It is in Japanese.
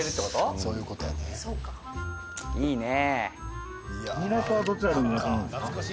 いいね。